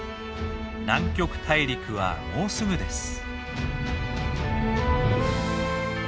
南極大陸はもうすぐです。